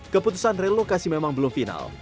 keputusan relokasi memang belum final